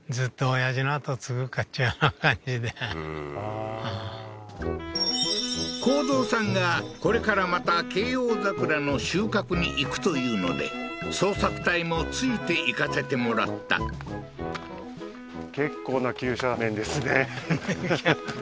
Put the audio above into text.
ああー幸三さんがこれからまた啓翁桜の収穫に行くというので捜索隊もついて行かせてもらったああー